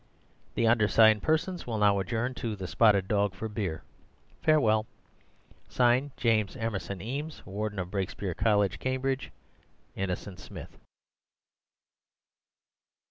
"The undersigned persons will now adjourn to 'The Spotted Dog' for beer. Farewell. "(Signed) James Emerson Eames, "Warden of Brakespeare College, Cambridge. "Innocent Smith."